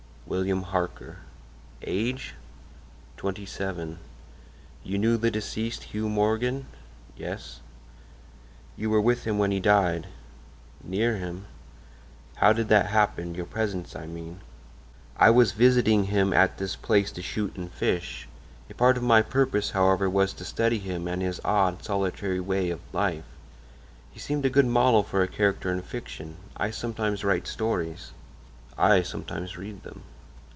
"William Harker." "Age?" "Twenty seven." "You knew the deceased, Hugh Morgan?" "Yes." "You were with him when he died?" "Near him." "How did that happen—your presence, I mean?" "I was visiting him at this place to shoot and fish. A part of my purpose, however, was to study him and his odd, solitary way of life. He seemed a good model for a character in fiction. I sometimes write stories." "I sometimes read them."